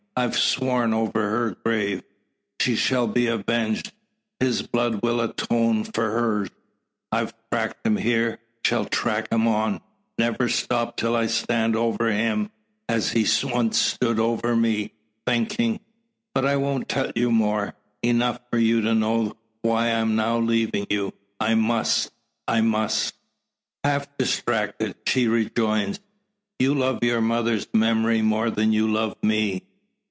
I've sworn over her grave, she shall be avenged; his blood will atone for her's. I've tracked him here, shall track him on; never stop, till I stand over him, as he once stood over me, thinking . But I won't tell you more. Enough, for you to know why I'm now leaving you. I must I must!" Half distracted, she rejoins: "You love your mother's memory more than you love me!"